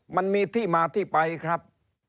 มันมีที่มาที่ไปครับ